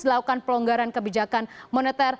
melakukan pelonggaran kebijakan moneter